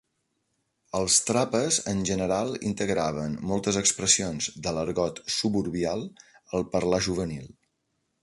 Els Trapas en general integraven moltes expressions de l'argot suburbial al parlar juvenil.